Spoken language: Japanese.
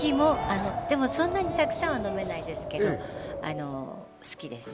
そんなにたくさんは飲めないですけど、好きです。